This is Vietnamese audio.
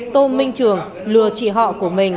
tô minh trường lừa chị họ của mình